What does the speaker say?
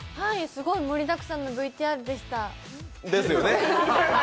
すごい盛りだくさんのＶＴＲでした。ですよね。